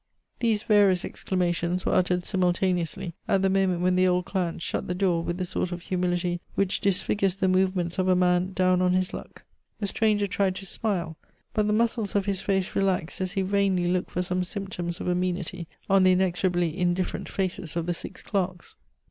These various exclamations were uttered simultaneously at the moment when the old client shut the door with the sort of humility which disfigures the movements of a man down on his luck. The stranger tried to smile, but the muscles of his face relaxed as he vainly looked for some symptoms of amenity on the inexorably indifferent faces of the six clerks.